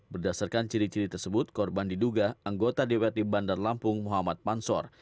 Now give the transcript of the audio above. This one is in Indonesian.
berdasarkan ciri ciri tersebut korban diduga anggota dewati bandar lampung muhammad pansor